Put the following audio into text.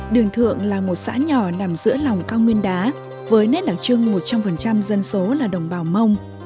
đường thượng là một xã nhỏ nằm giữa lòng cao nguyên đá với nét đặc trưng một trăm linh dân số là đồng bào mông